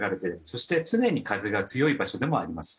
そして常に風が強い場所でもあります。